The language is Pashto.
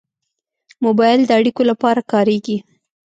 موبایل د اړیکو لپاره کارېږي.